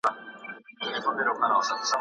د فقر کچه تر هغه لوړه ده چې ګومان کېده.